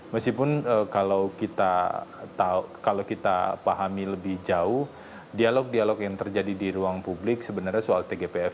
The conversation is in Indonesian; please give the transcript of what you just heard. meskipun kalau kita pahami lebih jauh dialog dialog yang terjadi di ruang publik sebenarnya soal tgpf